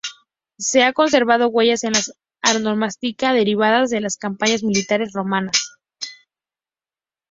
Se han conservado huellas en la onomástica derivadas de las campañas militares romanas.